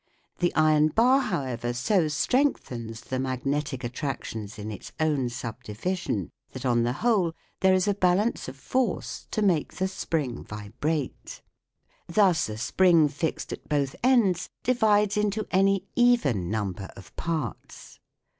The iron bar, however, so strengthens the magnetic attractions in its own subdivision that on the whole there is a balance of force to make the spring vibrate. Thus a spring fixed at both ends divides into any even number of parts.